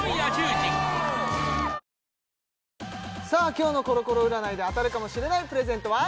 今日のコロコロ占いで当たるかもしれないプレゼントは？